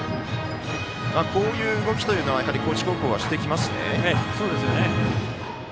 こういう動きというのは高知高校してきますね。